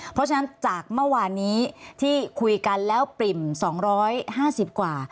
เพราะฉะนั้นจากเมื่อวานนี้ที่คุยกันแล้วปริ่ม๒๕๐กว่า